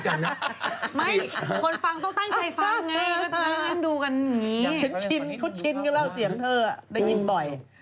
ได้ยินบ่อย